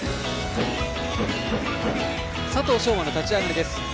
佐藤奨真の立ち上がりです。